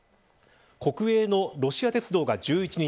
国営のロシア鉄道が１１日